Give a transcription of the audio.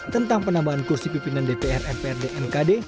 tentang penambahan kursi pimpinan dpr mpr dan mkd